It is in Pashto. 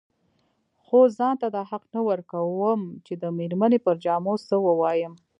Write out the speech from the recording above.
خو ځان ته دا حق نه ورکوم چې د مېرمنې پر جامو څه ووايم.